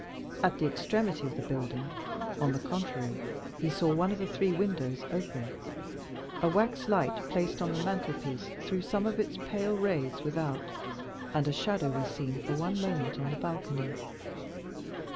At the extremity of the building, on the contrary, he saw one of the three windows open. A wax light placed on the mantle piece threw some of its pale rays without, and a shadow was seen for one moment on the balcony.